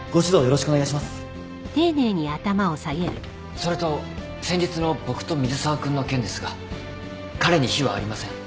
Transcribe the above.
それと先日の僕と水沢君の件ですが彼に非はありません。